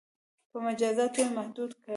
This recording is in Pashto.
• په مجازاتو یې محدود کړئ.